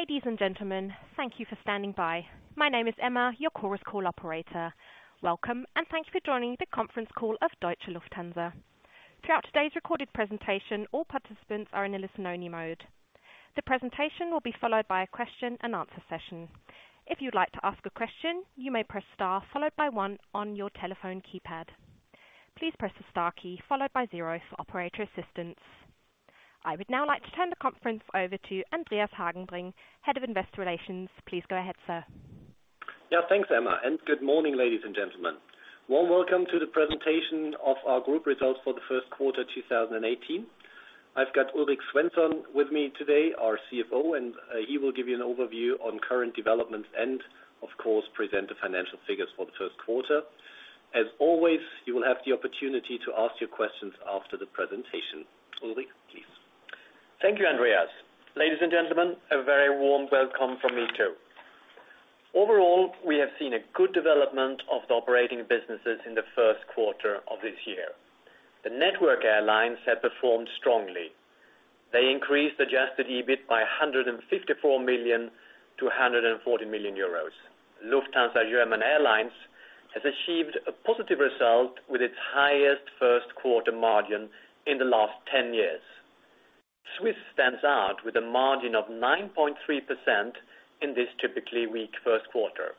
Ladies and gentlemen, thank you for standing by. My name is Emma, your Chorus Call operator. Welcome, and thank you for joining the conference call of Deutsche Lufthansa. Throughout today's recorded presentation, all participants are in a listen-only mode. The presentation will be followed by a question and answer session. If you'd like to ask a question, you may press star followed by one on your telephone keypad. Please press the star key followed by zero for operator assistance. I would now like to turn the conference over to Andreas Hagenbring, Head of Investor Relations. Please go ahead, sir. Thanks, Emma, good morning, ladies and gentlemen. Warm welcome to the presentation of our group results for the first quarter 2018. I've got Ulrik Svensson with me today, our CFO, and he will give you an overview on current developments and of course, present the financial figures for the first quarter. As always, you will have the opportunity to ask your questions after the presentation. Ulrik, please. Thank you, Andreas. Ladies and gentlemen, a very warm welcome from me, too. Overall, we have seen a good development of the operating businesses in the first quarter of this year. The network airlines have performed strongly. They increased Adjusted EBIT by 154 million to 140 million euros. Lufthansa German Airlines has achieved a positive result with its highest first quarter margin in the last 10 years. Swiss stands out with a margin of 9.3% in this typically weak first quarter.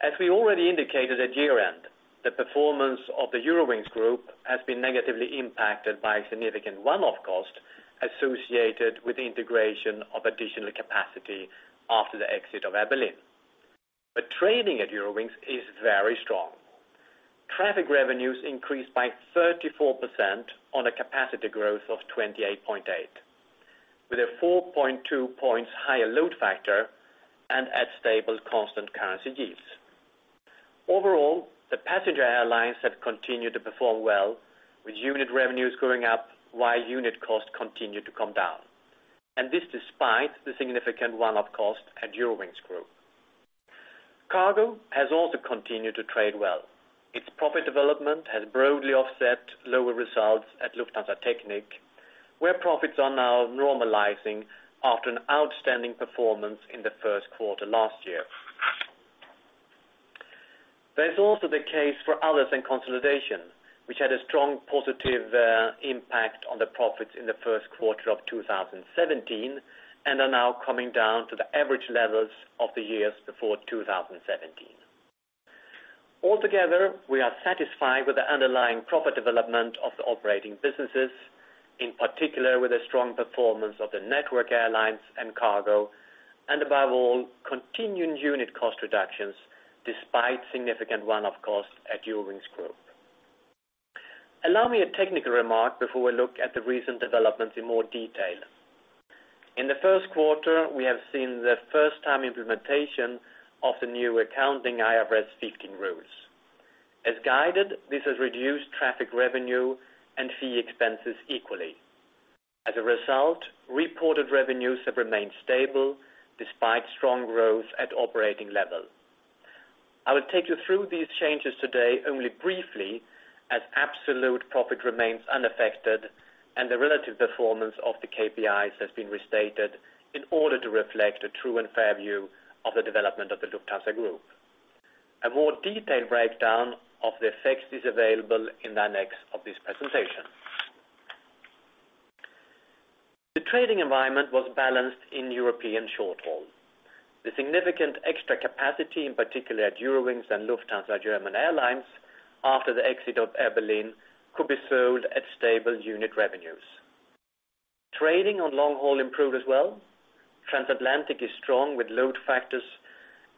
As we already indicated at year-end, the performance of the Eurowings Group has been negatively impacted by a significant one-off cost associated with the integration of additional capacity after the exit of Air Berlin. Trading at Eurowings is very strong. Traffic revenues increased by 34% on a capacity growth of 28.8%, with a 4.2 points higher load factor and at stable constant currency yields. Overall, the passenger airlines have continued to perform well with unit revenues going up while unit costs continue to come down, and this despite the significant one-off cost at Eurowings Group. Cargo has also continued to trade well. Its profit development has broadly offset lower results at Lufthansa Technik, where profits are now normalizing after an outstanding performance in the first quarter last year. There's also the case for others and consolidation, which had a strong positive impact on the profits in the first quarter of 2017 and are now coming down to the average levels of the years before 2017. Altogether, we are satisfied with the underlying profit development of the operating businesses, in particular with the strong performance of the Network Airlines and Cargo, and above all, continuing unit cost reductions despite significant one-off costs at Eurowings Group. Allow me a technical remark before we look at the recent developments in more detail. In the first quarter, we have seen the first-time implementation of the new accounting IFRS 15 rules. As guided, this has reduced traffic revenue and fee expenses equally. As a result, reported revenues have remained stable despite strong growth at operating levels. I will take you through these changes today only briefly as absolute profit remains unaffected and the relative performance of the KPIs has been restated in order to reflect a true and fair view of the development of the Lufthansa Group. A more detailed breakdown of the effects is available in the annex of this presentation. The trading environment was balanced in European short haul. The significant extra capacity, in particular at Eurowings and Lufthansa German Airlines after the exit of Air Berlin, could be sold at stable unit revenues. Trading on long haul improved as well. Transatlantic is strong with load factors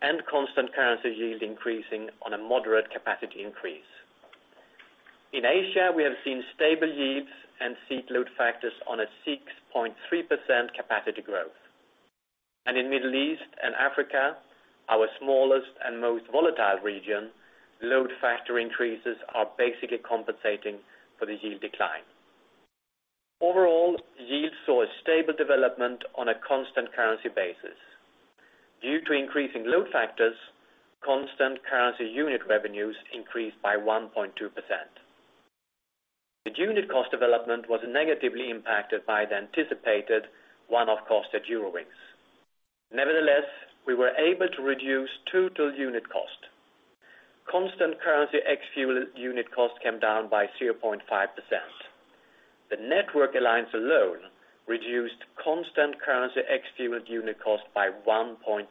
and constant currency yield increasing on a moderate capacity increase. In Asia, we have seen stable yields and seat load factors on a 6.3% capacity growth. In Middle East and Africa, our smallest and most volatile region, load factor increases are basically compensating for the yield decline. Overall, yields saw a stable development on a constant currency basis. Due to increasing load factors, constant currency unit revenues increased by 1.2%. The unit cost development was negatively impacted by the anticipated one-off cost at Eurowings. Nevertheless, we were able to reduce total unit cost. Constant currency ex-fuel unit cost came down by 0.5%. The Network Airlines alone reduced constant currency ex-fuel unit cost by 1.9%.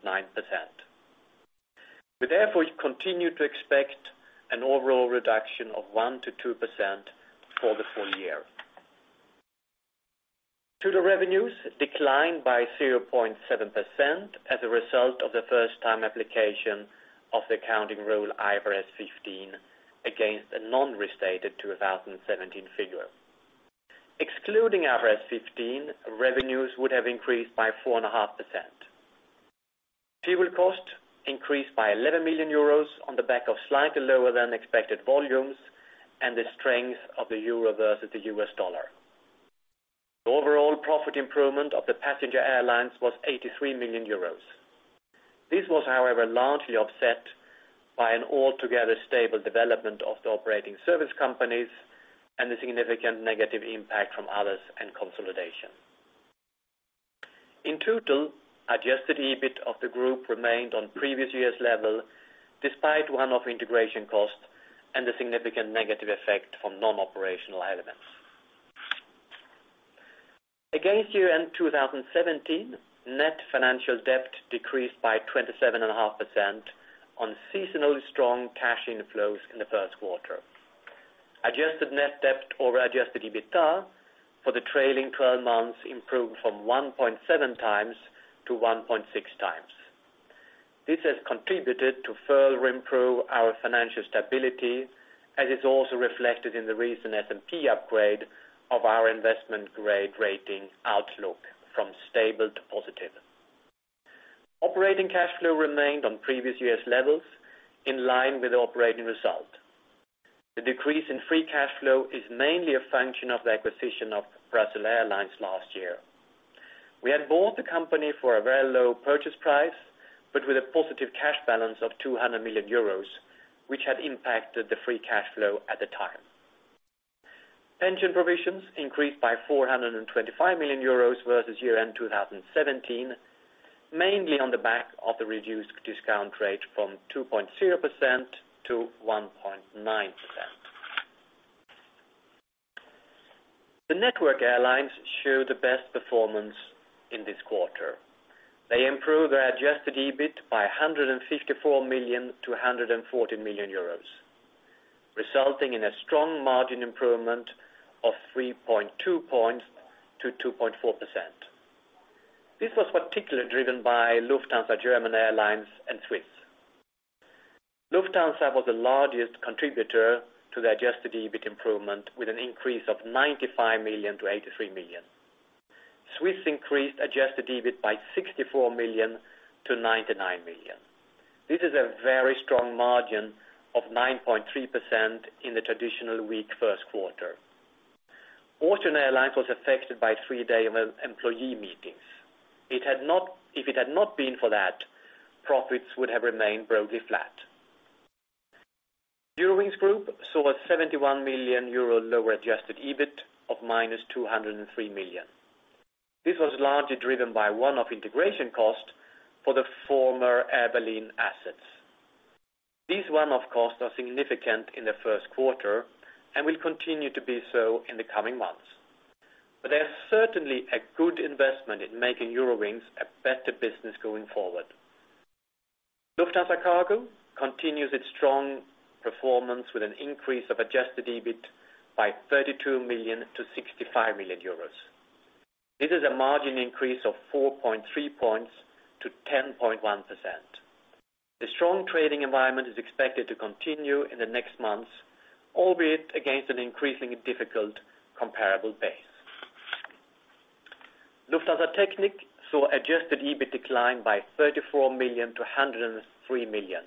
We therefore continue to expect an overall reduction of 1%-2% for the full year. Total revenues declined by 0.7% as a result of the first-time application of the accounting rule IFRS 15 against a non-restated 2017 figure. Excluding IFRS 15, revenues would have increased by 4.5%. Fuel cost increased by 11 million euros on the back of slightly lower than expected volumes and the strength of the euro versus the US dollar. The overall profit improvement of the passenger airlines was 83 million euros. This was however, largely offset by an altogether stable development of the operating service companies and the significant negative impact from others and consolidation. In total, adjusted EBIT of the group remained on previous year's level, despite one-off integration costs and the significant negative effect from non-operational elements. Against year end 2017, net financial debt decreased by 27.5% on seasonally strong cash inflows in the first quarter. Adjusted net debt or adjusted EBITDA for the trailing 12 months improved from 1.7 times to 1.6 times. This has contributed to further improve our financial stability, as is also reflected in the recent S&P upgrade of our investment grade rating outlook from stable to positive. Operating cash flow remained on previous year's levels in line with operating result. The decrease in free cash flow is mainly a function of the acquisition of Brussels Airlines last year. We had bought the company for a very low purchase price, but with a positive cash balance of 200 million euros, which had impacted the free cash flow at the time. Pension provisions increased by 425 million euros versus year end 2017, mainly on the back of the reduced discount rate from 2.0%-1.9%. The Network Airlines show the best performance in this quarter. They improved their Adjusted EBIT by 154 million to 140 million euros, resulting in a strong margin improvement of 3.2 points to 2.4%. This was particularly driven by Lufthansa German Airlines and Swiss. Lufthansa was the largest contributor to the Adjusted EBIT improvement, with an increase of 95 million to 83 million. Swiss increased Adjusted EBIT by 64 million to 99 million. This is a very strong margin of 9.3% in the traditional weak first quarter. Austrian Airlines was affected by three days of employee meetings. If it had not been for that, profits would have remained broadly flat. Eurowings Group saw a 71 million euro lower Adjusted EBIT of minus 203 million. This was largely driven by one-off integration cost for the former Air Berlin assets. These one-off costs are significant in the first quarter and will continue to be so in the coming months. They are certainly a good investment in making Eurowings a better business going forward. Lufthansa Cargo continues its strong performance with an increase of Adjusted EBIT by 32 million to 65 million euros. This is a margin increase of 4.3 points to 10.1%. The strong trading environment is expected to continue in the next months, albeit against an increasingly difficult comparable base. Lufthansa Technik saw Adjusted EBIT decline by 34 million to 103 million.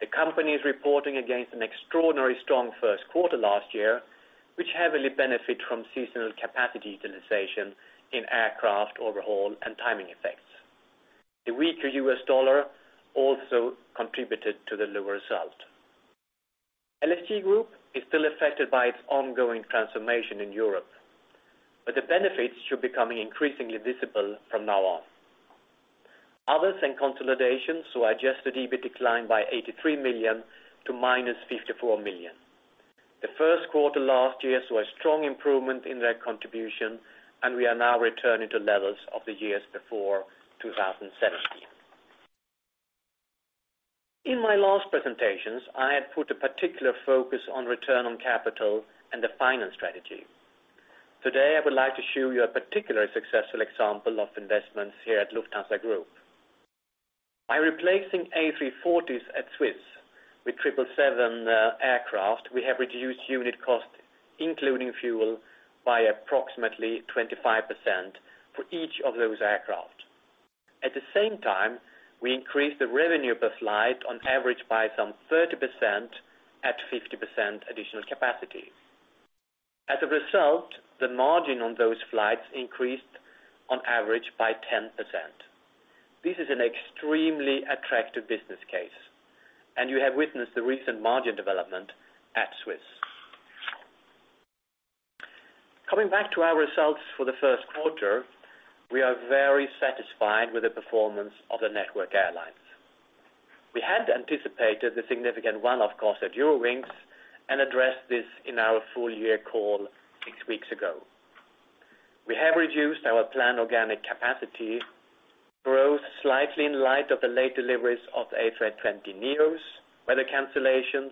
The company is reporting against an extraordinarily strong first quarter last year, which heavily benefited from seasonal capacity utilization in aircraft overhaul and timing effects. The weaker US dollar also contributed to the lower result. LSG Group is still affected by its ongoing transformation in Europe, but the benefits should become increasingly visible from now on. Others and consolidations saw Adjusted EBIT decline by 83 million to minus 54 million. The first quarter last year saw a strong improvement in their contribution and we are now returning to levels of the years before 2017. In my last presentations, I had put a particular focus on return on capital and the finance strategy. Today, I would like to show you a particular successful example of investments here at Lufthansa Group. By replacing A340s at Swiss with 777 aircraft, we have reduced unit cost, including fuel, by approximately 25% for each of those aircraft. At the same time, we increased the revenue per flight on average by some 30% at 50% additional capacity. As a result, the margin on those flights increased on average by 10%. This is an extremely attractive business case, and you have witnessed the recent margin development at Swiss. Coming back to our results for the first quarter, we are very satisfied with the performance of the Network Airlines. We had anticipated the significant one-off cost at Eurowings and addressed this in our full year call six weeks ago. We have reduced our planned organic capacity growth slightly in light of the late deliveries of the A320neos, weather cancellations,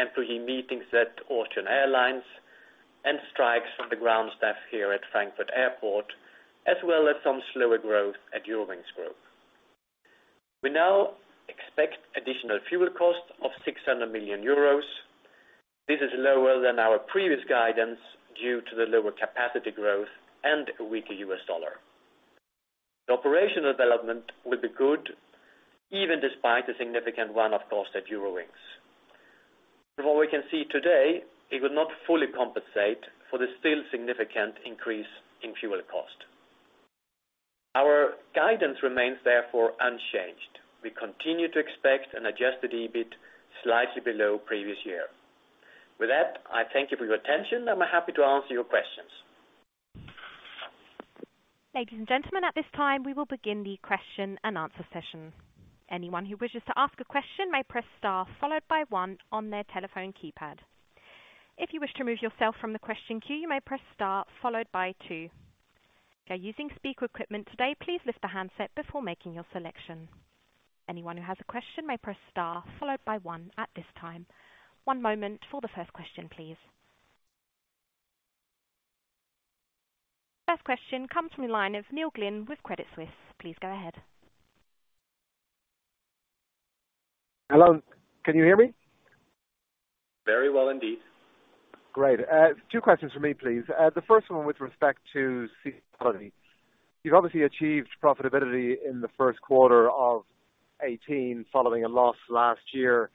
employee meetings at Austrian Airlines, and strikes from the ground staff here at Frankfurt Airport, as well as some slower growth at Eurowings Group. We now expect additional fuel costs of 600 million euros. This is lower than our previous guidance due to the lower capacity growth and a weaker US dollar. The operational development will be good even despite the significant one-off cost at Eurowings. From what we can see today, it will not fully compensate for the still significant increase in fuel cost. Our guidance remains, therefore, unchanged. We continue to expect an Adjusted EBIT slightly below previous year. With that, I thank you for your attention and I'm happy to answer your questions. Ladies and gentlemen, at this time, we will begin the question and answer session. Anyone who wishes to ask a question may press star followed by one on their telephone keypad. If you wish to remove yourself from the question queue, you may press star followed by two. If you're using speaker equipment today, please lift the handset before making your selection. Anyone who has a question may press star followed by one at this time. One moment for the first question, please. First question comes from the line of Neil Glynn with Credit Suisse. Please go ahead. Hello, can you hear me? Very well, indeed. Great. Two questions from me, please. The first one with respect to seasonality. You've obviously achieved profitability in the first quarter of 2018, following a loss last year.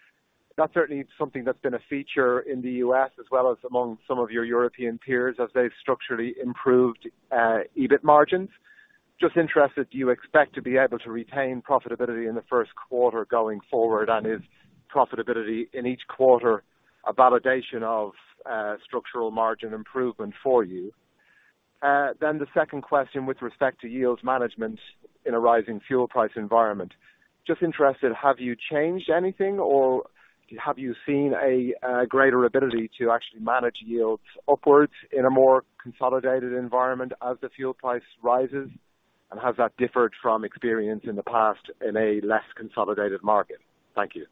That's certainly something that's been a feature in the U.S. as well as among some of your European peers as they've structurally improved EBIT margins. Just interested, do you expect to be able to retain profitability in the first quarter going forward? Is profitability in each quarter a validation of structural margin improvement for you? The second question with respect to yield management in a rising fuel price environment. Just interested, have you changed anything or have you seen a greater ability to actually manage yields upwards in a more consolidated environment as the fuel price rises? Has that differed from experience in the past in a less consolidated market? Thank you.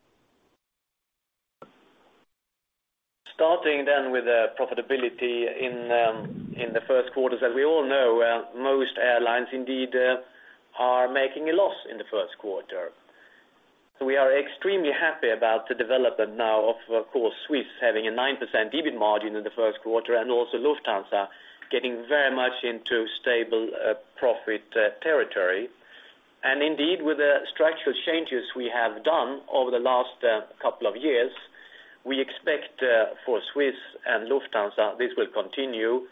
Starting then with profitability in the first quarter. As we all know, most airlines indeed are making a loss in the first quarter. We are extremely happy about the development now of course, Swiss having a 9% EBIT margin in the first quarter and also Lufthansa getting very much into stable profit territory. Indeed, with the structural changes we have done over the last couple of years, we expect for Swiss and Lufthansa, this will continue.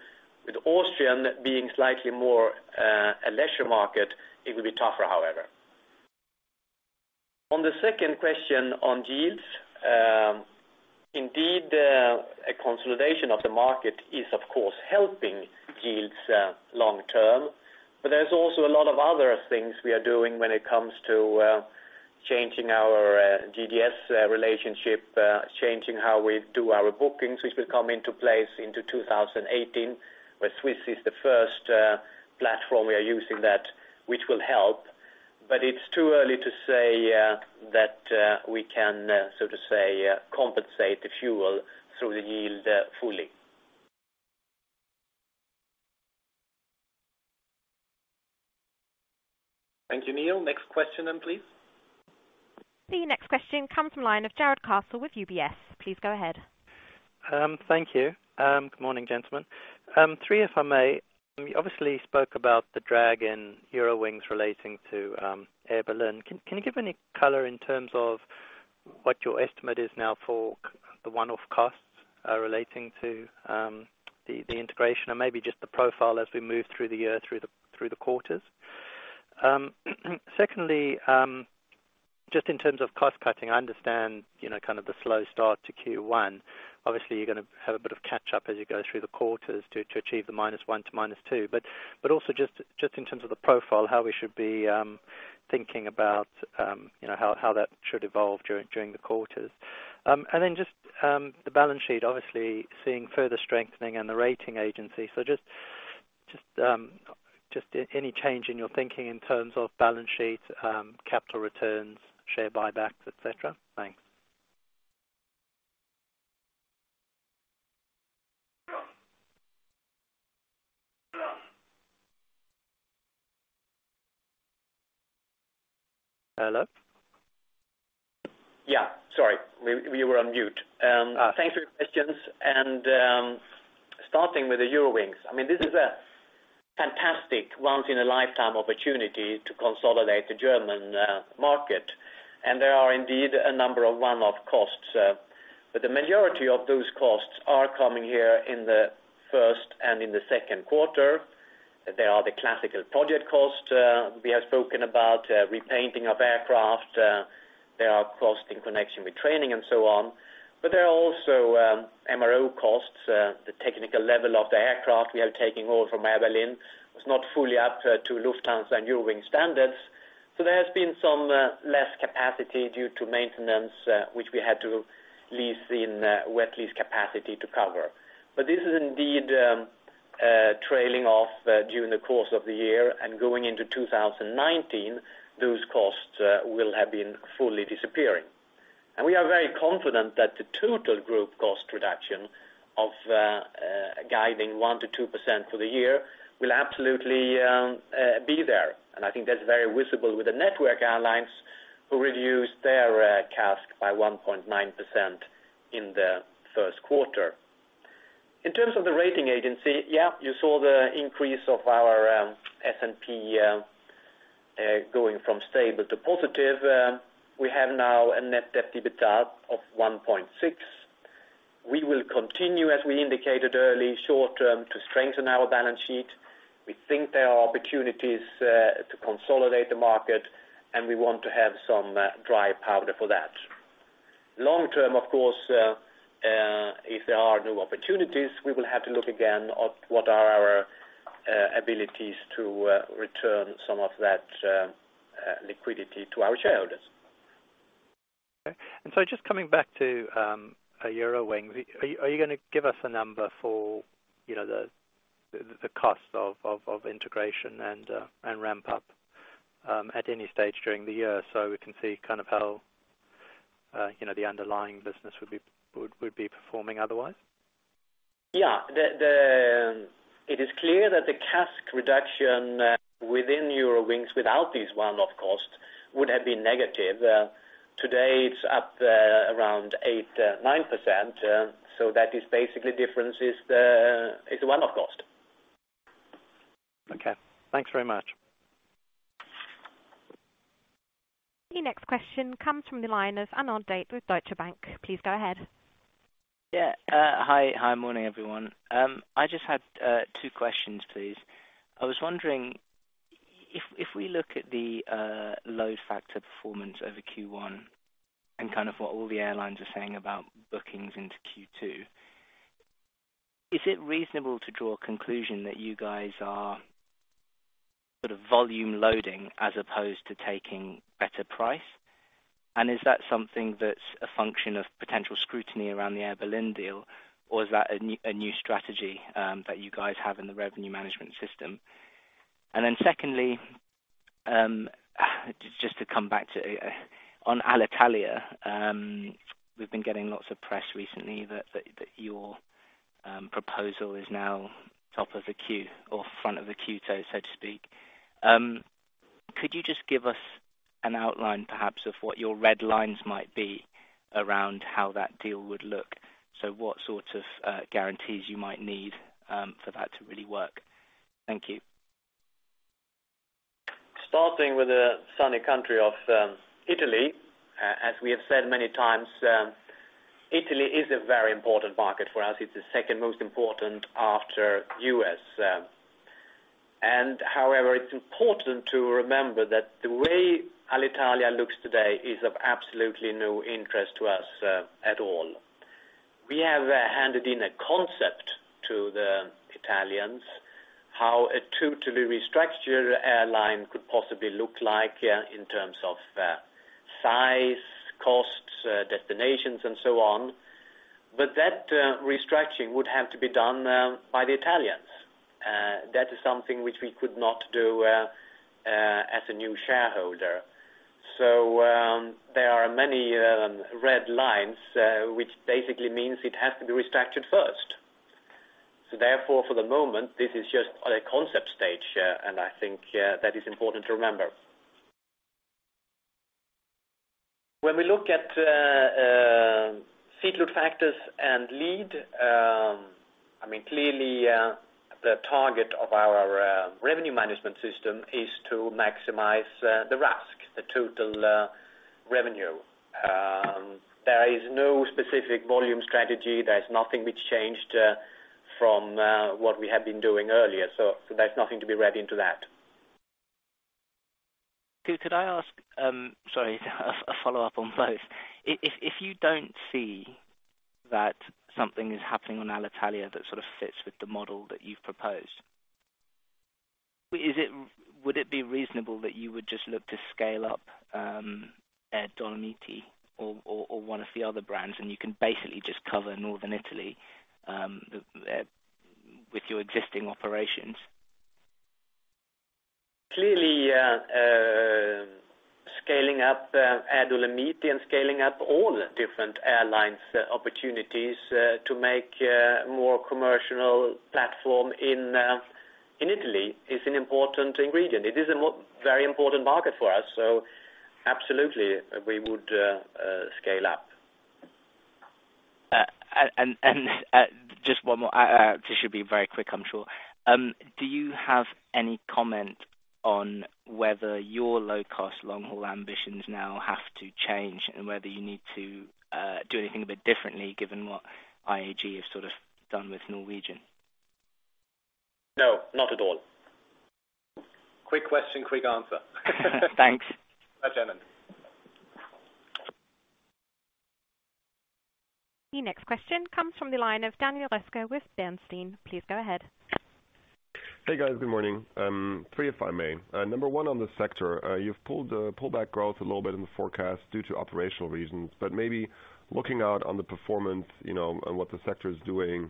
With Austrian being slightly more a leisure market, it will be tougher, however. On the second question on yields. Indeed, a consolidation of the market is, of course, helping yields long term, but there's also a lot of other things we are doing when it comes to changing our GDS relationship, changing how we do our bookings, which will come into place into 2018, where Swiss is the first platform we are using that, which will help. It's too early to say that we can compensate the fuel through the yield fully. Thank you, Neil. Next question, please. The next question comes from line of Jarrod Castle with UBS. Please go ahead. Thank you. Good morning, gentlemen. Three, if I may. You obviously spoke about the drag in Eurowings relating to Air Berlin. Can you give any color in terms of what your estimate is now for the one-off costs relating to the integration and maybe just the profile as we move through the year through the quarters? Secondly, just in terms of cost-cutting, I understand the slow start to Q1. Obviously, you're going to have a bit of catch up as you go through the quarters to achieve the -1% to -2%. Also just in terms of the profile, how we should be thinking about how that should evolve during the quarters. Just the balance sheet, obviously, seeing further strengthening and the rating agency. Just any change in your thinking in terms of balance sheet, capital returns, share buybacks, et cetera? Thanks. Hello? Yeah. Sorry. We were on mute. Thanks for your questions. Starting with the Eurowings. This is a fantastic once in a lifetime opportunity to consolidate the German market, there are indeed a number of one-off costs. The majority of those costs are coming here in the first and in the second quarter. They are the classical project costs we have spoken about, repainting of aircraft. There are costs in connection with training and so on. There are also MRO costs. The technical level of the aircraft we are taking over from Air Berlin was not fully up to Lufthansa and Eurowings standards. There has been some less capacity due to maintenance, which we had to lease in wet lease capacity to cover. This is indeed trailing off during the course of the year, going into 2019, those costs will have been fully disappearing. We are very confident that the total group cost reduction of guiding 1% to 2% for the year will absolutely be there. I think that's very visible with the network airlines who reduced their CASK by 1.9% in the first quarter. In terms of the rating agency, yes, you saw the increase of our S&P going from stable to positive. We have now a net debt to EBITDA of 1.6. We will continue, as we indicated early, short-term to strengthen our balance sheet. We think there are opportunities to consolidate the market, we want to have some dry powder for that. Long-term, of course, if there are no opportunities, we will have to look again at what are our abilities to return some of that liquidity to our shareholders. Okay. Just coming back to Eurowings. Are you going to give us a number for the cost of integration and ramp up at any stage during the year so we can see how the underlying business would be performing otherwise? Yeah. It is clear that the CASK reduction within Eurowings without these one-off costs would have been negative. Today, it is up around 8%, 9%, so that is basically difference is the one-off cost. Okay. Thanks very much. Your next question comes from the line of Anand Date with Deutsche Bank. Please go ahead. Yeah. Hi, morning, everyone. I just had two questions, please. I was wondering, if we look at the load factor performance over Q1 and what all the airlines are saying about bookings into Q2, is it reasonable to draw a conclusion that you guys are volume loading as opposed to taking better price? Is that something that's a function of potential scrutiny around the Air Berlin deal, or is that a new strategy that you guys have in the revenue management system? Secondly, just to come back to on Alitalia. We've been getting lots of press recently that your proposal is now top of the queue or front of the queue, so to speak. Could you just give us an outline, perhaps, of what your red lines might be around how that deal would look? What sorts of guarantees you might need for that to really work. Thank you. Starting with the sunny country of Italy. As we have said many times, Italy is a very important market for us. It's the second most important after U.S. However, it's important to remember that the way Alitalia looks today is of absolutely no interest to us at all. We have handed in a concept to the Italians, how a totally restructured airline could possibly look like in terms of size, costs, destinations, and so on. That restructuring would have to be done by the Italians. That is something which we could not do as a new shareholder. There are many red lines, which basically means it has to be restructured first. Therefore, for the moment, this is just at a concept stage, and I think that is important to remember. When we look at seat load factors and lead, clearly, the target of our revenue management system is to maximize the RASK, the total revenue. There is no specific volume strategy. There is nothing which changed from what we have been doing earlier, so there's nothing to be read into that. A follow-up on both. If you don't see that something is happening on Alitalia that sort of fits with the model that you've proposed, would it be reasonable that you would just look to scale up Air Dolomiti or one of the other brands, and you can basically just cover northern Italy with your existing operations? Clearly, scaling up Air Dolomiti and scaling up all different airlines opportunities to make more commercial platform in Italy is an important ingredient. It is a very important market for us, absolutely, we would scale up. Just one more. This should be very quick, I'm sure. Do you have any comment on whether your low-cost long-haul ambitions now have to change, and whether you need to do anything a bit differently given what IAG has done with Norwegian? No, not at all. Quick question, quick answer. Thanks. That's imminent. Your next question comes from the line of Daniel Roeska with Bernstein. Please go ahead. Hey, guys. Good morning. Three, if I may. Number one on the sector. You've pulled back growth a little bit in the forecast due to operational reasons, but maybe looking out on the performance, on what the sector is doing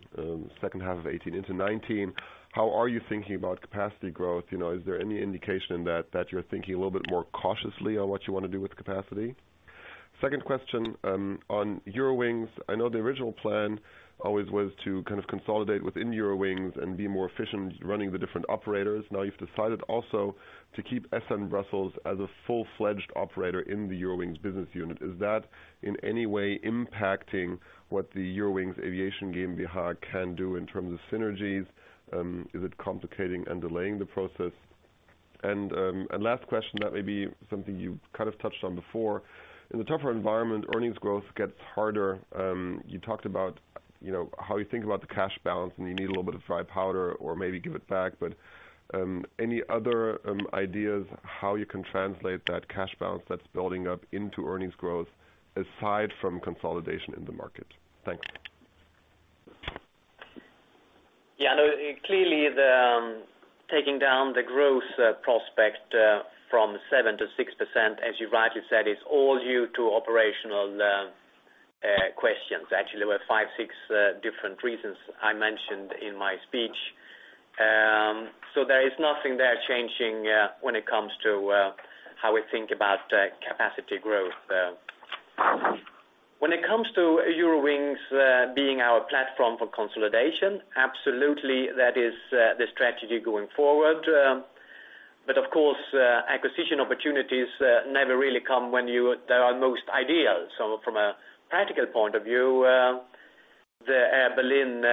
second half of 2018 into 2019, how are you thinking about capacity growth? Is there any indication that you're thinking a little bit more cautiously on what you want to do with capacity? Second question on Eurowings. I know the original plan always was to kind of consolidate within Eurowings and be more efficient running the different operators. Now you've decided also to keep SN Brussels as a full-fledged operator in the Eurowings business unit. Is that in any way impacting what the Eurowings Aviation GmbH can do in terms of synergies? Is it complicating and delaying the process? Last question that maybe something you kind of touched on before. In the tougher environment, earnings growth gets harder. You talked about how you think about the cash balance, and you need a little bit of dry powder or maybe give it back. Any other ideas how you can translate that cash balance that's building up into earnings growth aside from consolidation in the market? Thanks. Yeah, I know. Clearly, taking down the growth prospect from 7% to 6%, as you rightly said, it's all due to operational questions. Actually, there were five, six different reasons I mentioned in my speech. There is nothing there changing when it comes to how we think about capacity growth. When it comes to Eurowings being our platform for consolidation, absolutely, that is the strategy going forward. Of course, acquisition opportunities never really come when they are most ideal. From a practical point of view, the Air Berlin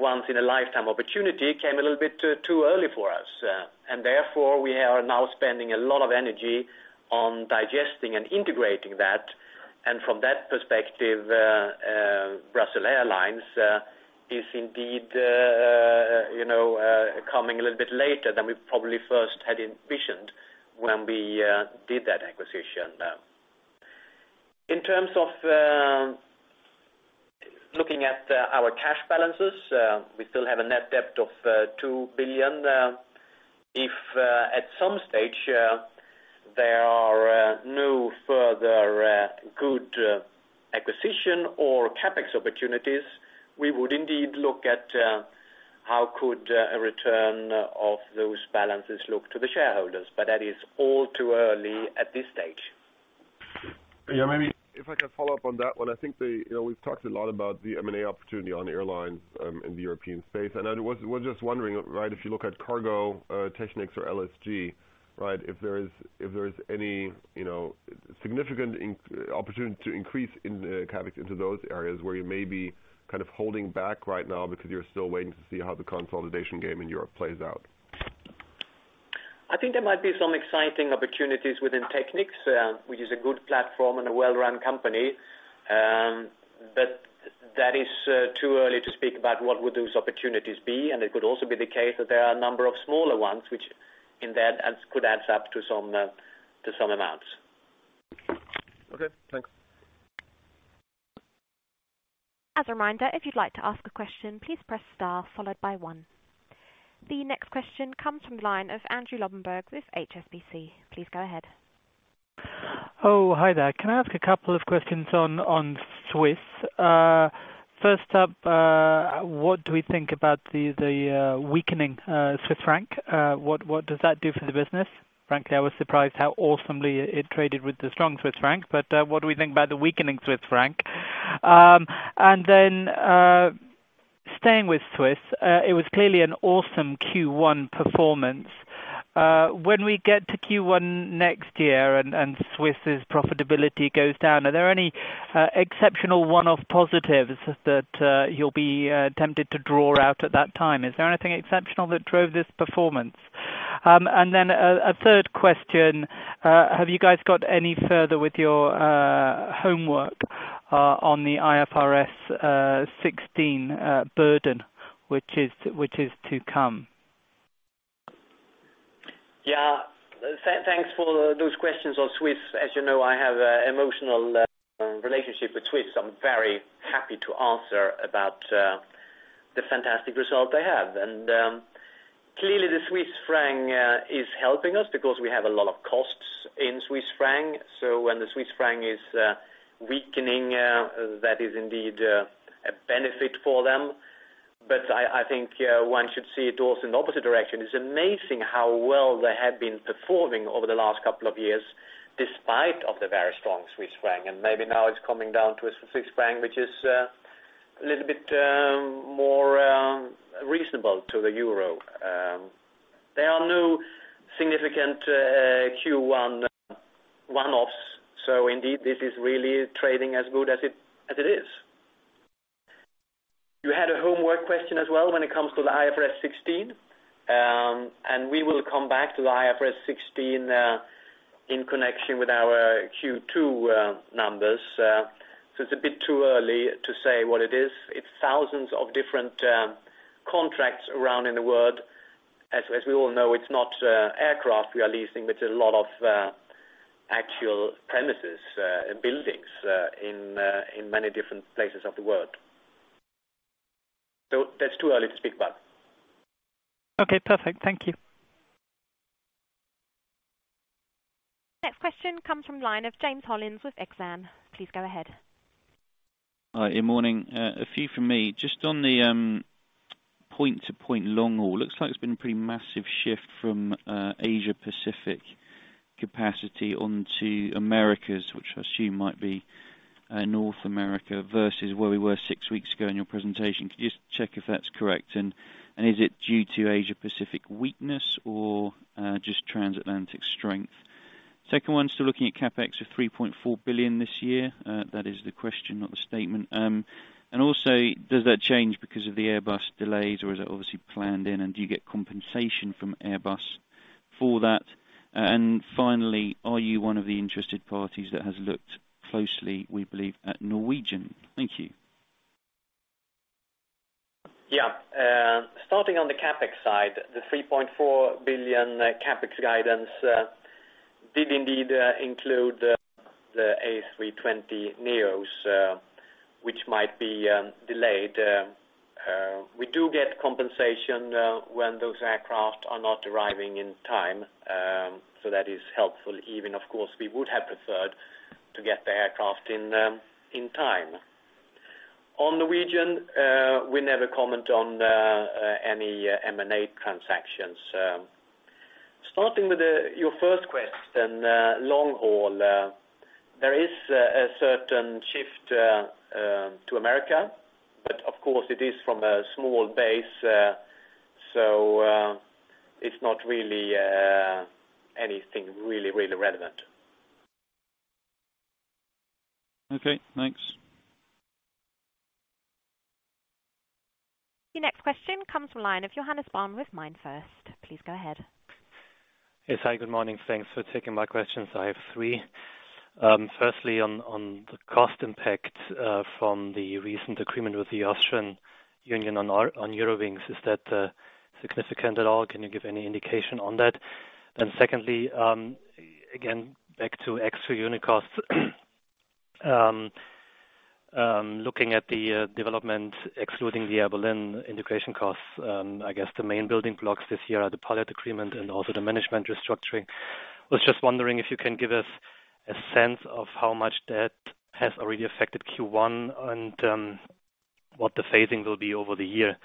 once in a lifetime opportunity came a little bit too early for us. Therefore, we are now spending a lot of energy on digesting and integrating that. From that perspective, Brussels Airlines is indeed coming a little bit later than we probably first had envisioned when we did that acquisition. In terms of looking at our cash balances, we still have a net debt of 2 billion. If at some stage there are no further good acquisition or CapEx opportunities, we would indeed look at how could a return of those balances look to the shareholders. That is all too early at this stage. Yeah, maybe if I can follow up on that one. I think we've talked a lot about the M&A opportunity on airlines in the European space, and I was just wondering, if you look at Cargo, Technik or LSG, if there is any significant opportunity to increase in CapEx into those areas where you may be kind of holding back right now because you're still waiting to see how the consolidation game in Europe plays out. I think there might be some exciting opportunities within Technik, which is a good platform and a well-run company. That is too early to speak about what would those opportunities be. It could also be the case that there are a number of smaller ones which in that could add up to some amounts. Okay, thanks. As a reminder, if you'd like to ask a question, please press star followed by one. The next question comes from the line of Andrew Lobbenberg with HSBC. Please go ahead. Hi there. Can I ask a couple of questions on Swiss? First up, what do we think about the weakening Swiss franc? What does that do for the business? Frankly, I was surprised how awesomely it traded with the strong Swiss franc. What do we think about the weakening Swiss franc? Staying with Swiss, it was clearly an awesome Q1 performance. When we get to Q1 next year and Swiss's profitability goes down, are there any exceptional one-off positives that you'll be tempted to draw out at that time? Is there anything exceptional that drove this performance? A third question. Have you guys got any further with your homework on the IFRS 16 burden, which is to come? Thanks for those questions on Swiss. As you know, I have an emotional relationship with Swiss, I'm very happy to answer about the fantastic result they have. Clearly the Swiss franc is helping us because we have a lot of costs in Swiss franc. When the Swiss franc is weakening, that is indeed a benefit for them. I think one should see it also in the opposite direction. It's amazing how well they have been performing over the last couple of years, despite of the very strong Swiss franc, maybe now it's coming down to a Swiss franc, which is a little bit more reasonable to the euro. There are no significant Q1 one-offs. Indeed, this is really trading as good as it is. You had a homework question as well when it comes to the IFRS 16. We will come back to the IFRS 16 in connection with our Q2 numbers. It's a bit too early to say what it is. It's thousands of different contracts around in the world. We all know, it's not aircraft we are leasing, but a lot of actual premises, buildings in many different places of the world. That's too early to speak about. Okay, perfect. Thank you. Next question comes from the line of James Hollins with Exane. Please go ahead. Hi, good morning. A few from me. On the point to point long haul, looks like there's been a pretty massive shift from Asia-Pacific capacity onto Americas, which I assume might be North America versus where we were six weeks ago in your presentation. Could you just check if that's correct? Is it due to Asia-Pacific weakness or just transatlantic strength? Second one, still looking at CapEx of 3.4 billion this year. That is the question, not the statement. Also, does that change because of the Airbus delays or is it obviously planned in, and do you get compensation from Airbus for that? Finally, are you one of the interested parties that has looked closely, we believe, at Norwegian? Thank you. Starting on the CapEx side, the 3.4 billion CapEx guidance did indeed include the A320neo, which might be delayed. We do get compensation when those aircraft are not arriving in time. That is helpful, even, of course, we would have preferred to get the aircraft in time. On Norwegian, we never comment on any M&A transactions. Starting with your first question, long haul. There is a certain shift to America, but of course it is from a small base. It is not really anything really relevant. Okay, thanks. The next question comes from the line of Johannes Bann with MainFirst. Please go ahead. Hi. Good morning. Thanks for taking my questions. I have three. Firstly, on the cost impact from the recent agreement with the Austrian Union on Eurowings, is that significant at all? Can you give any indication on that? Secondly, again, back to extra unit costs. Looking at the development, excluding the Air Berlin integration costs, I guess the main building blocks this year are the pilot agreement and also the management restructuring. I was just wondering if you can give us a sense of how much that has already affected Q1 and what the phasing will be over the year.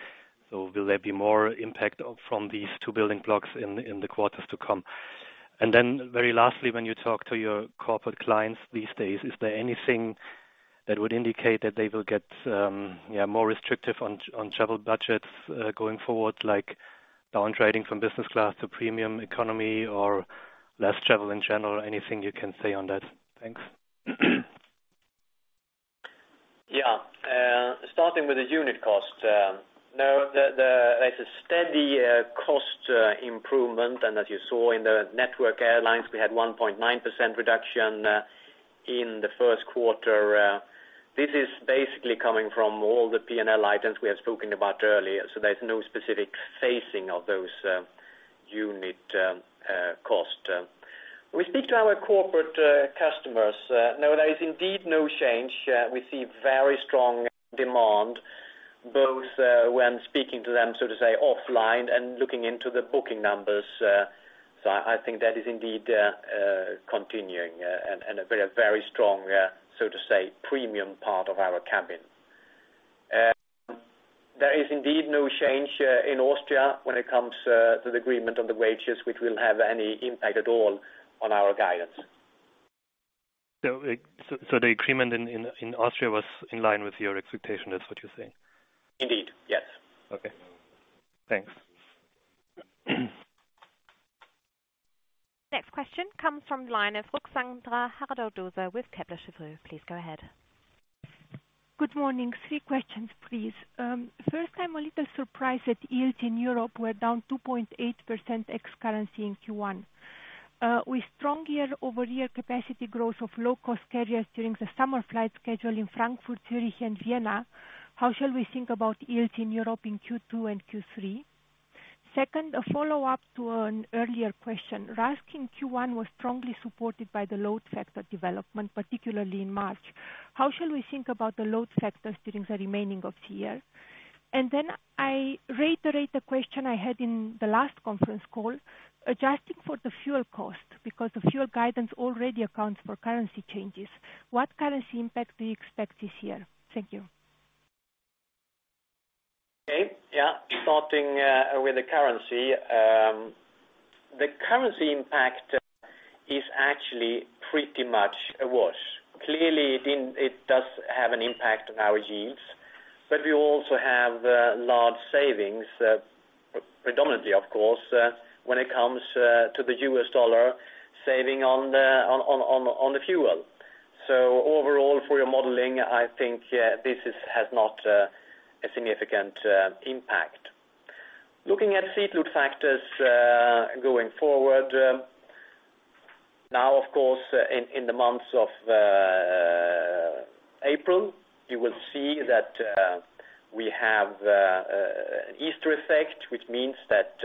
Will there be more impact from these two building blocks in the quarters to come? Very lastly, when you talk to your corporate clients these days, is there anything that would indicate that they will get more restrictive on travel budgets going forward, like down trading from business class to premium economy or less travel in general? Anything you can say on that? Thanks. Yeah. Starting with the unit cost. No, there's a steady cost improvement, as you saw in the network airlines, we had 1.9% reduction in the first quarter. This is basically coming from all the P&L items we had spoken about earlier. There's no specific phasing of those unit cost. We speak to our corporate customers. No, there is indeed no change. We see very strong demand, both when speaking to them, so to say, offline and looking into the booking numbers. I think that is indeed continuing and a very strong, so to say, premium part of our cabin. There is indeed no change in Austria when it comes to the agreement on the wages, which will have any impact at all on our guidance. The agreement in Austria was in line with your expectation, that's what you're saying? Indeed, yes. Okay. Thanks. Next question comes from line of Ruxandra Haradau-Doser with Kepler Cheuvreux. Please go ahead. Good morning. Three questions, please. First, I'm a little surprised that yields in Europe were down 2.8% ex-currency in Q1. With strong year-over-year capacity growth of low-cost carriers during the summer flight schedule in Frankfurt, Zurich, and Vienna, how shall we think about yields in Europe in Q2 and Q3? Second, a follow-up to an earlier question. RASK in Q1 was strongly supported by the load factor development, particularly in March. How shall we think about the load factors during the remaining of the year? I reiterate the question I had in the last conference call, adjusting for the fuel cost, because the fuel guidance already accounts for currency changes. What currency impact do you expect this year? Thank you. Okay. Starting with the currency. The currency impact is actually pretty much a wash. Clearly, it does have an impact on our yields, but we also have large savings, predominantly, of course, when it comes to the US dollar saving on the fuel. Overall, for your modeling, I think this has not a significant impact. Looking at seat load factors going forward. Of course, in the months of April, you will see that we have an Easter effect, which means that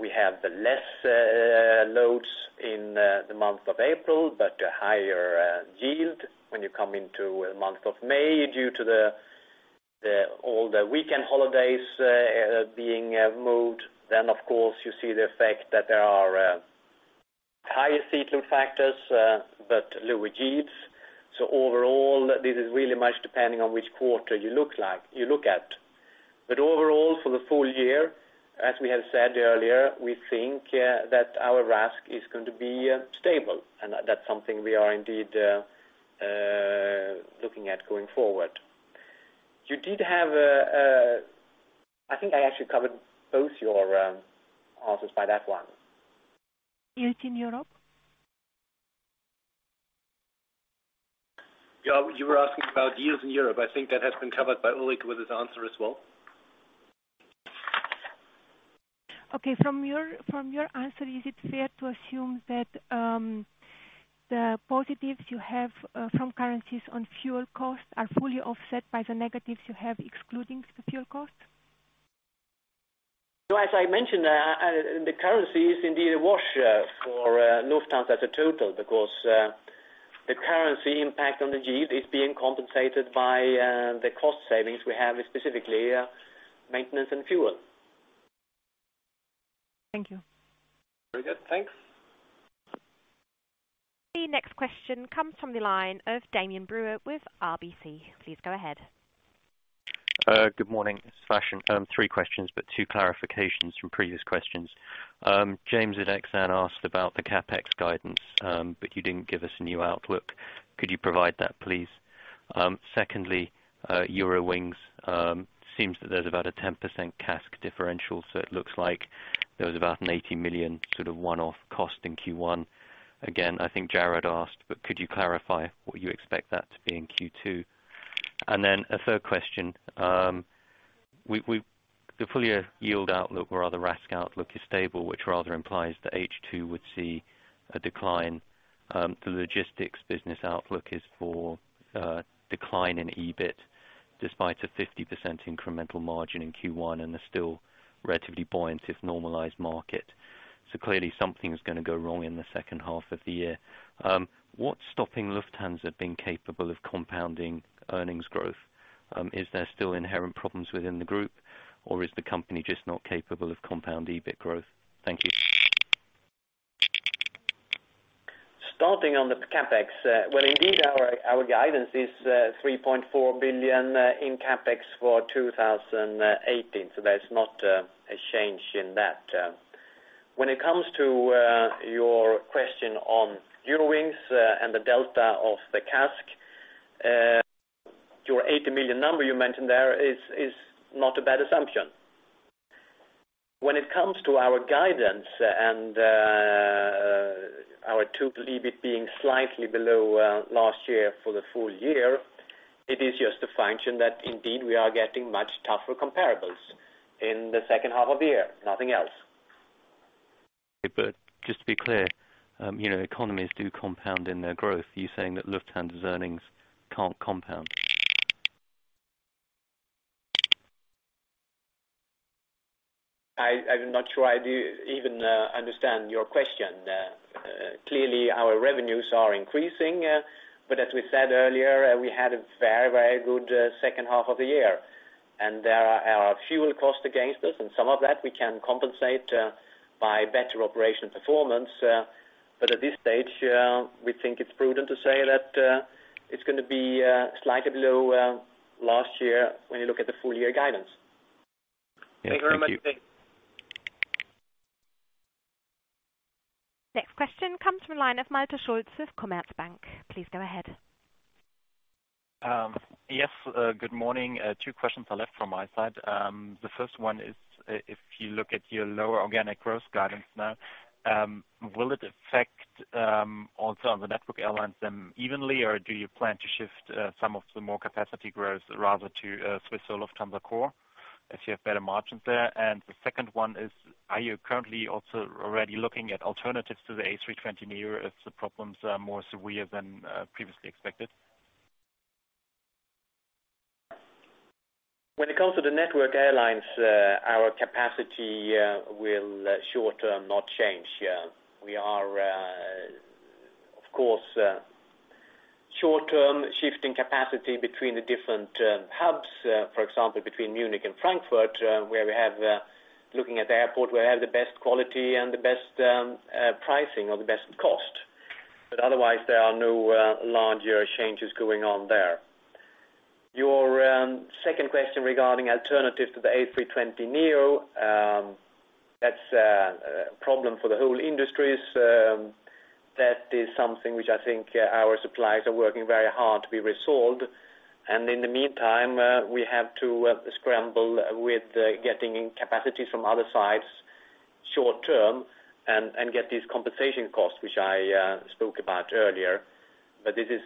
we have the less loads in the month of April, but a higher yield when you come into the month of May due to all the weekend holidays being moved. Of course, you see the effect that there are higher seat load factors, but lower yields. Overall, this is really much depending on which quarter you look at. Overall, for the full year, as we have said earlier, we think that our RASK is going to be stable, and that's something we are indeed Looking at going forward. I think I actually covered both your answers by that one. Yields in Europe? You were asking about yields in Europe. I think that has been covered by Ulrik with his answer as well. Okay. From your answer, is it fair to assume that the positives you have from currencies on fuel costs are fully offset by the negatives you have excluding the fuel cost? As I mentioned, the currency is indeed a wash for Lufthansa as a total because the currency impact on the yield is being compensated by the cost savings we have, specifically maintenance and fuel. Thank you. Very good. Thanks. The next question comes from the line of Damian Brewer with RBC. Please go ahead. Good morning, two clarifications from previous questions. James at Exane asked about the CapEx guidance, but you didn't give us a new outlook. Could you provide that, please? Secondly, Eurowings. Seems that there's about a 10% CASK differential, so it looks like there was about an 80 million sort of one-off cost in Q1. Again, I think Jarrod asked, but could you clarify what you expect that to be in Q2? A third question. The full-year yield outlook or rather RASK outlook is stable, which rather implies that H2 would see a decline. The logistics business outlook is for a decline in EBIT despite a 50% incremental margin in Q1 and a still relatively buoyant, if normalized, market. Clearly something is going to go wrong in the second half of the year. What's stopping Lufthansa being capable of compounding earnings growth? Is there still inherent problems within the group or is the company just not capable of compound EBIT growth? Thank you. Starting on the CapEx. Well, indeed, our guidance is 3.4 billion in CapEx for 2018. There's not a change in that. When it comes to your question on Eurowings and the delta of the CASK, your 80 million number you mentioned there is not a bad assumption. When it comes to our guidance and our T2 EBIT being slightly below last year for the full year, it is just a function that indeed we are getting much tougher comparables in the second half of the year. Nothing else. Just to be clear, economies do compound in their growth. You're saying that Lufthansa's earnings can't compound. I'm not sure I even understand your question there. Clearly, our revenues are increasing. As we said earlier, we had a very good second half of the year. There are fuel cost against us, and some of that we can compensate by better operation performance. At this stage, we think it's prudent to say that it's going to be slightly below last year when you look at the full-year guidance. Yes. Thank you. Thank you very much. Next question comes from the line of Malte Schulz with Commerzbank. Please go ahead. Yes, good morning. Two questions are left from my side. The first one is, if you look at your lower organic growth guidance now, will it affect also on the network airlines then evenly, or do you plan to shift some of the more capacity growth rather to Swiss Lufthansa core as you have better margins there? The second one is, are you currently also already looking at alternatives to the A320neo if the problems are more severe than previously expected? When it comes to the network airlines, our capacity will short-term not change. We are of course short-term shifting capacity between the different hubs, for example, between Munich and Frankfurt, looking at the airport where we have the best quality and the best pricing or the best cost. Otherwise, there are no larger changes going on there. Your second question regarding alternatives to the A320neo, that's a problem for the whole industry. That is something which I think our suppliers are working very hard to be resolved. In the meantime, we have to scramble with getting in capacity from other sides short-term and get these compensation costs, which I spoke about earlier. This is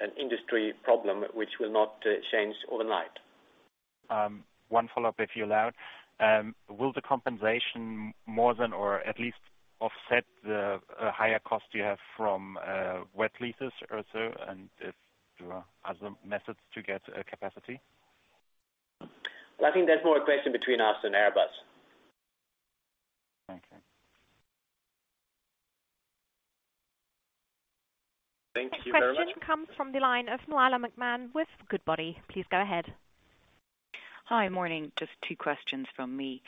an industry problem which will not change overnight. One follow-up, if you allow. Will the compensation more than, or at least offset the higher cost you have from wet leases also and if there are other methods to get capacity? I think that's more a question between us and Airbus. Thank you. Thank you very much. Next question comes from the line of Niamh McMahon with Goodbody. Please go ahead. Hi. Morning. Just two questions from me.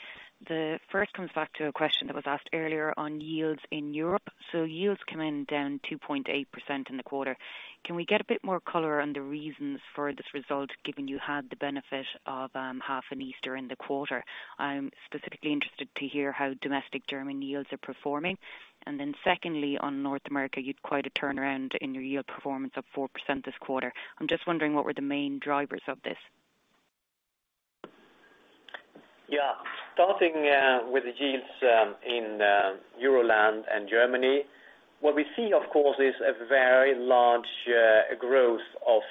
The first comes back to a question that was asked earlier on yields in Europe. Yields come in down 2.8% in the quarter. Can we get a bit more color on the reasons for this result, given you had the benefit of half an Easter in the quarter? I'm specifically interested to hear how domestic German yields are performing. Secondly, on North America, you'd quite a turnaround in your yield performance of 4% this quarter. I'm just wondering, what were the main drivers of this? Yeah. Starting with the yields in Euroland and Germany, what we see, of course, is a very large growth of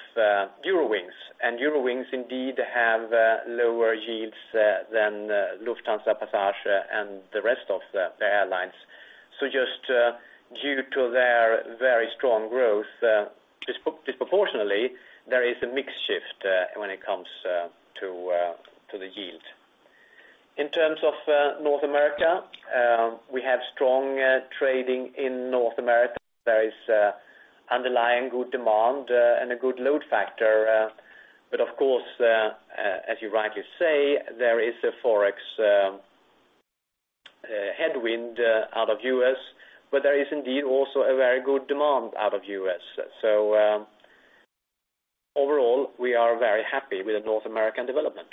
Eurowings. Eurowings indeed have lower yields than Lufthansa Passage and the rest of the airlines. Just due to their very strong growth, disproportionally, there is a mix shift when it comes to the yield. In terms of North America, we have strong trading in North America. There is underlying good demand and a good load factor. Of course, as you rightly say, there is a Forex headwind out of U.S. There is indeed also a very good demand out of U.S. Overall, we are very happy with the North American development.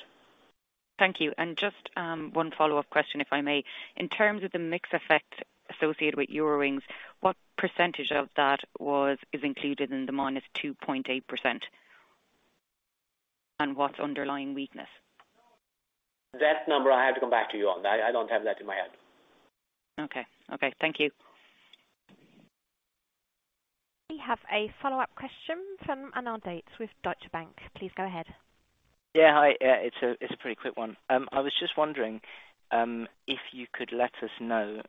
Thank you. Just one follow-up question, if I may. In terms of the mix effect associated with Eurowings, what % of that is included in the minus 2.8%? What's underlying weakness? That number, I have to come back to you on that. I don't have that in my head. Okay. Thank you. We have a follow-up question from Anand Date with Deutsche Bank. Please go ahead. Yeah. Hi. It's a pretty quick one. I was just wondering if you could let us know,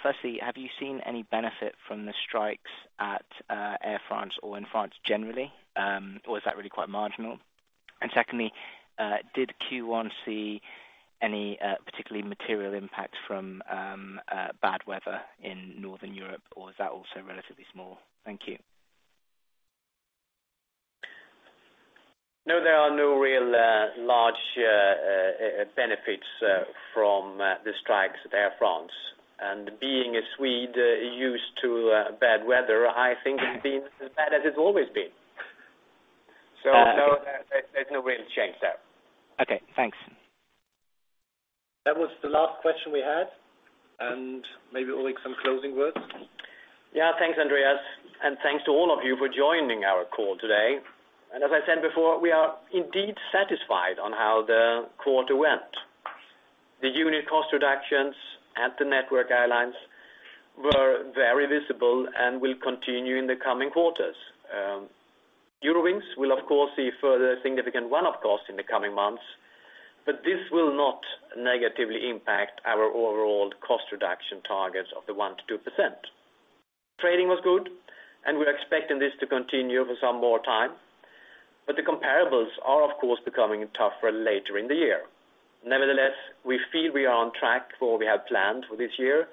firstly, have you seen any benefit from the strikes at Air France or in France generally? Or is that really quite marginal? Secondly, did Q1 see any particularly material impact from bad weather in Northern Europe, or is that also relatively small? Thank you. No, there are no real large benefits from the strikes at Air France. Being a Swede used to bad weather, I think it's been as bad as it's always been. No, there's no real change there. Okay, thanks. That was the last question we had. Maybe, Ulrik, some closing words? Yeah. Thanks, Andreas, and thanks to all of you for joining our call today. As I said before, we are indeed satisfied on how the quarter went. The unit cost reductions at the network airlines were very visible and will continue in the coming quarters. Eurowings will, of course, see further significant one-off costs in the coming months, but this will not negatively impact our overall cost reduction targets of the 1%-2%. Trading was good. We're expecting this to continue for some more time. The comparables are, of course, becoming tougher later in the year. Nevertheless, we feel we are on track for what we have planned for this year.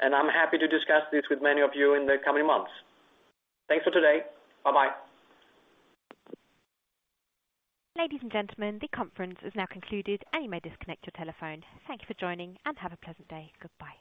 I'm happy to discuss this with many of you in the coming months. Thanks for today. Bye-bye. Ladies and gentlemen, the conference has now concluded. You may disconnect your telephone. Thank you for joining. Have a pleasant day. Goodbye.